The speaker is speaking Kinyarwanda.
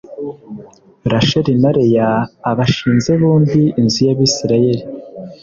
Rasheli na Leya abashinze bombi inzu y Abisirayeli